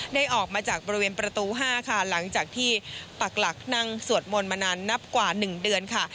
ออกมาจากบริเวณประตู๕ค่ะหลังจากที่ปักหลักนั่งสวดมนต์มานานนับกว่า๑เดือนค่ะ